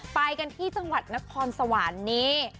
ไปกันที่จังหวัดนครสวรรค์นี่